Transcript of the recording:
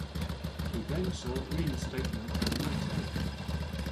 He then sought reinstatement as an attorney.